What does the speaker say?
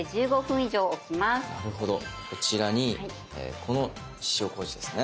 こちらにこの塩麹ですね